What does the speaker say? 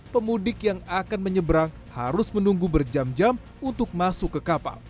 pemudik yang akan menyeberang harus menunggu berjam jam untuk masuk ke kapal